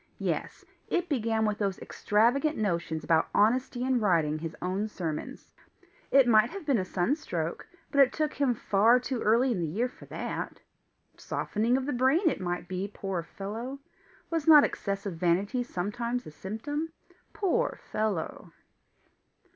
Yes it began with those extravagant notions about honesty in writing his own sermons! It might have been a sunstroke, but it took him far too early in the year for that! Softening of the brain it might be, poor fellow! Was not excessive vanity sometimes a symptom? Poor fellow!